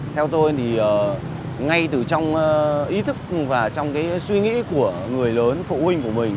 theo tôi thì ngay từ trong ý thức và trong cái suy nghĩ của người lớn phụ huynh của mình